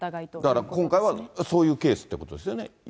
だから今回はそういうケースってことですよね。